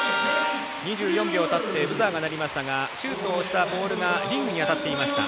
２１秒たってブザーが鳴りましたがシュートをしたボールがリングに当たっていました。